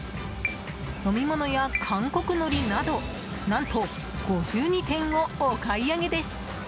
飲み物や韓国のりなど何と５２点をお買い上げです！